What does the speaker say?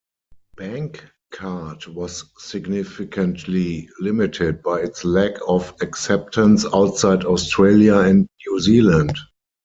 Bankcard was significantly limited by its lack of acceptance outside Australia and New Zealand.